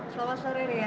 selamat sore ria